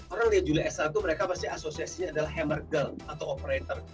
orang yang lihat julia estelle itu mereka pasti asosiasinya adalah hammer girl atau operator